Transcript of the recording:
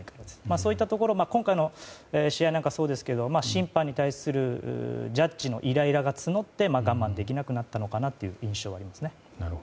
そういったところ今回の試合なんかそうですが審判に対するジャッジのイライラが募って我慢できなくなった印象がありますね。